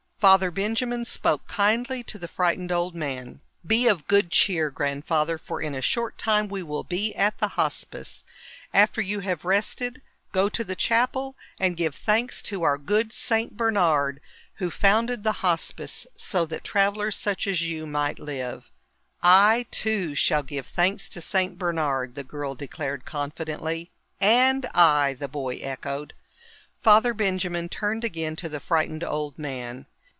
Father Benjamin spoke kindly to the frightened old man. "Be of good cheer, Grandfather, for in a short time we will be at the Hospice. After you have rested, go to the Chapel and give thanks to our good Saint Bernard, who founded the Hospice so that travelers such as you might live." "I, too, shall give thanks to Saint Bernard," the girl declared confidently. "And I," the boy echoed. Father Benjamin turned again to the frightened old man.